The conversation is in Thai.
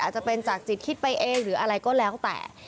อาจจะเป็นจากจิตคิดไปเองหรืออะไรก็แล้วแต่